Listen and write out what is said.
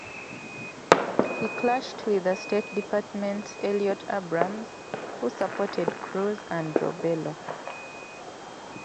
He clashed with the State Department's Elliott Abrams, who supported Cruz and Robelo.